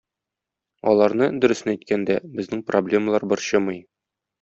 Аларны, дөресен әйткәндә, безнең проблемалар борчымый.